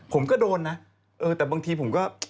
ผมก็โดนนะเออแต่บางทีผมก็